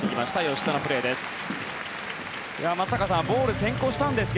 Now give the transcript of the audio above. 吉田のプレーです。